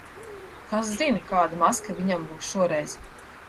Kas zina, kāda maska viņam būs šoreiz?